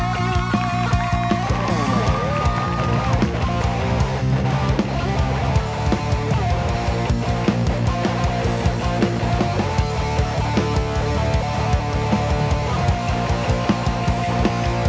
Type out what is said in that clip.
กีต้าร็อกเกอร์